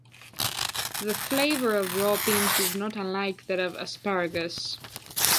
The flavour of raw beans is not unlike that of asparagus.